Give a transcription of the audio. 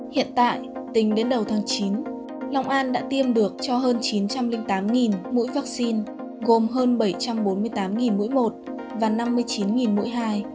hiện tại tính đến đầu tháng chín long an đã tiêm được cho hơn chín trăm linh tám mũi vaccine gồm hơn bảy trăm bốn mươi tám mũi một và năm mươi chín mũi hai